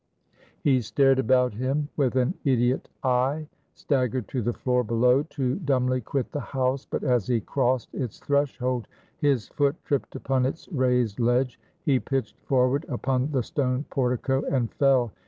He stared about him with an idiot eye; staggered to the floor below, to dumbly quit the house; but as he crossed its threshold, his foot tripped upon its raised ledge; he pitched forward upon the stone portico, and fell.